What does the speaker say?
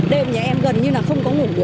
đêm nhà em gần như là không có ngủ